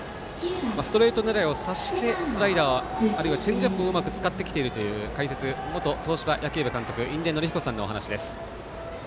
ストレート狙いを察してスライダーあるいはチェンジアップをうまく使ってきているという解説、元東芝野球部監督印出順彦さんのお話です。